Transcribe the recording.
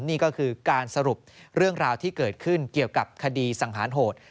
นี่ก็คือการสรุปเรื่องราวที่เกิดขึ้นเกี่ยวกับคดีสังหารโหด